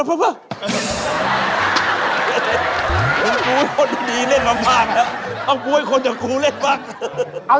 จับข้าว